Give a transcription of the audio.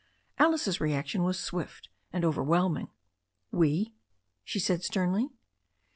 Alice's reaction was swift and overwhelming. "We!" she said sternly.